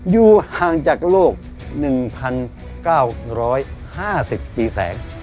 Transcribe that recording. อยู่ห่างจากโลก๑๙๕๐ปีแสง